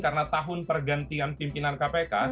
karena tahun pergantian pimpinan kpk